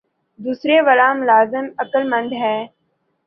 دوسرے والا ملازم عقلمند ہے